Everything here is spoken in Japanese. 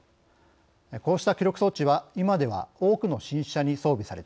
こうした記録装置は今では多くの新車に装備されています。